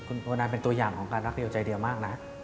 คุณโบนันเป็นตัวอย่างของการรักเดียวใจเดียวมากนะ